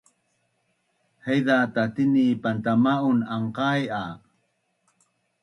Haiza tatini pantama’un anqai a